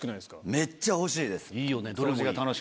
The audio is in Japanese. めっちゃ欲しいです！